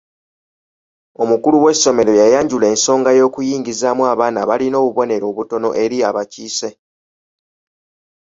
Omukulu w'essomero yayanjula ensonga y'okuyingizaamu abaana abalina obubonero obutono eri abakiise.